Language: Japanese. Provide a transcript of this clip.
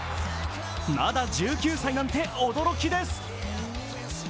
まだ１９歳なんて、驚きです。